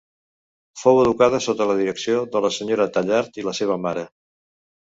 Fou educada sota la direcció de la senyora de Tallard i la seva mare.